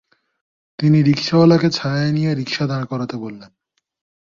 তিনি রিকশাওয়ালাকে ছায়ায় নিয়ে রিকশা দাঁড় করাতে বললেন।